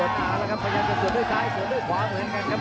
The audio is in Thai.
ตะเบาทองเลยครับเดอะคนกำลังก็สวนด้วยซ้ายสวนด้วยขวาเหมือนกันครับ